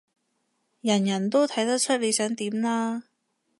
人人都睇得出你想點啦